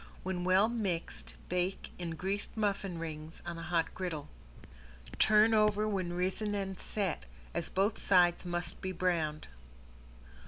When well mixed bake in greased muffin rings on a hot griddle. Turn over when risen and set, as both sides must be browned.